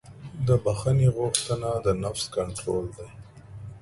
د بښنې غوښتنه د نفس کنټرول دی.